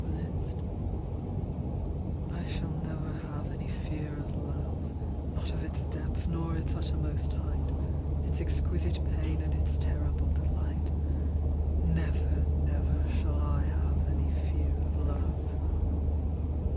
Gidlow I SHALL never have any fear of love—Not of its depth nor its uttermost height, Its exquisite pain and its terrible delight. Never, never shall I have any fear of love.